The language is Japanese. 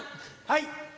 はい。